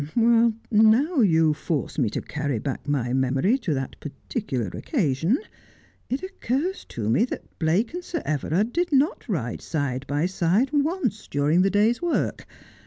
' Now you force me to carry back my memory to that parti cular occasion, it occurs to me that Blake and Sir Everard did not ride side by side once during the day's work.